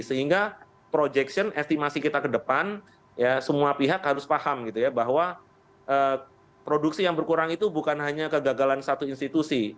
sehingga projection estimasi kita ke depan ya semua pihak harus paham gitu ya bahwa produksi yang berkurang itu bukan hanya kegagalan satu institusi